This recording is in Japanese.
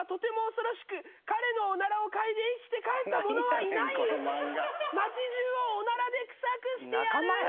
彼のおならを嗅いで生きて帰った者はいない」「街中をおならで臭くしてやる」